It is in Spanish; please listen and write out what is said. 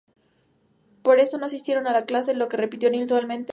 Pero estos no asistieron a clase, lo que se repitió anualmente.